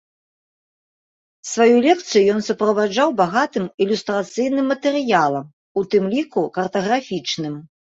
Сваю лекцыю ён суправаджаў багатым ілюстрацыйным матэрыялам, у тым ліку картаграфічным.